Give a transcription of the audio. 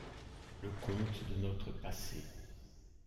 Le conte de notre passé.